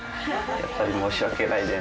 やっぱり申し訳ないです。